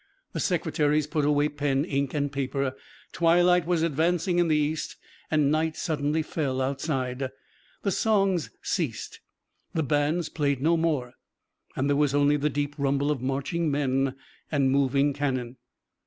The secretaries put away pen, ink and paper. Twilight was advancing in the east and night suddenly fell outside. The songs ceased, the bands played no more, and there was only the deep rumble of marching men and moving cannon.